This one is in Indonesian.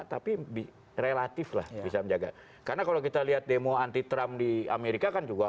tapi relatif lah bisa menjaga karena kalau kita lihat demo anti trump di amerika kan juga